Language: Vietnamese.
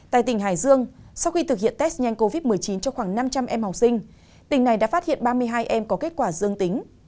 tại tỉnh hải dương sau khi thực hiện test nhanh covid một mươi chín cho khoảng năm trăm linh em học sinh tỉnh này đã phát hiện ba mươi hai em có kết quả dương tính